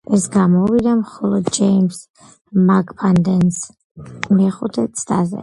ეს გამოუვიდა მხოლოდ ჯეიმზ მაკფადენს, მეხუთე ცდაზე.